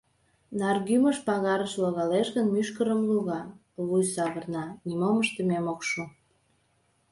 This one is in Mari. — Наргӱмыж пагарыш логалеш гын, мӱшкырым луга, вуй савырна — нимом ыштымет ок шу.